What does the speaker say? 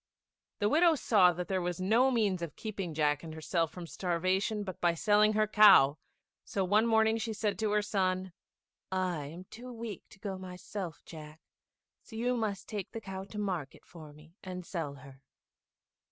The widow saw that there was no means of keeping Jack and herself from starvation but by selling her cow; so one morning she said to her son, "I am too weak to go myself, Jack, so you must take the cow to market for me, and sell her."